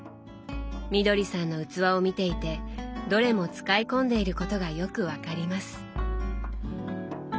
みどりさんの器を見ていてどれも使い込んでいることがよく分かります。